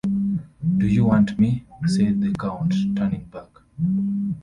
'Do you want me?’ said the count, turning back.